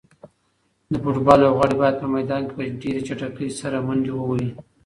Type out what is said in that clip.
د فوټبال لوبغاړي باید په میدان کې په ډېره چټکۍ سره منډې ووهي.